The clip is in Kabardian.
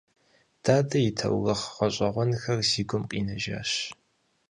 Дадэ и таурыхъ гъэщӀэгъуэнхэр си гум къинэжащ.